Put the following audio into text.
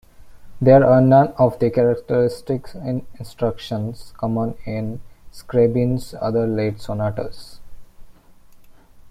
There are none of the characteristic instructions common in Scriabin's other late sonatas.